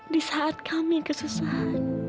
di saat kami kesusahan